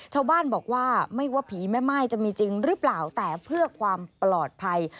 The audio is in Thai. ชาวบ้านบอกว่าไม่ว่าผีแม่ม่ายจะมีจริงหรือเปล่าแต่เพื่อความปลอดภัย